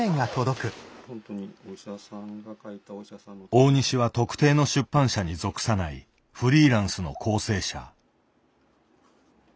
大西は特定の出版社に属さないフリーランスの校正者。